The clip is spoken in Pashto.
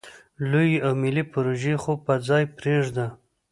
لویې او ملې پروژې خو په ځای پرېږده.